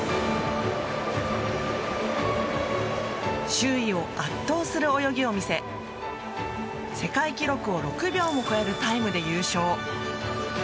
周囲を圧倒する泳ぎを見せ世界記録を６秒も超えるタイムで優勝。